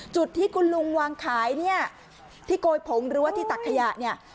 จุดที่คุณลุงวางขายเนี่ยที่โกยผงหรือว่าที่ตักขยะเนี่ย